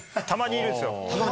たまにいるんですよ。